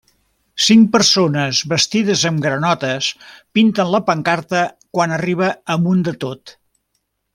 Cinc persones vestides amb granotes pinten la pancarta quan arriba a munt de tot.